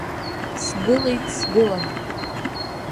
Сгылеит, сгылан.